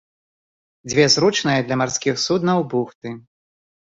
Дзве зручныя для марскіх суднаў бухты.